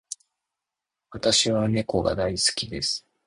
私は猫が大好きです。